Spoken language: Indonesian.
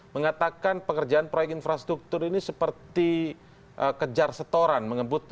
mengatakan pekerjaan proyek infrastruktur ini seperti kejar setoran